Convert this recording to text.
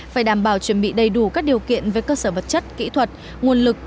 phải đảm bảo chuẩn bị đầy đủ các điều kiện về cơ sở vật chất kỹ thuật nguồn lực